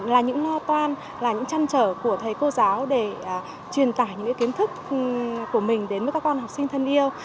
là những no toan là những trăn trở của thầy cô giáo để truyền tải những kiến thức của mình đến với các con học sinh thân yêu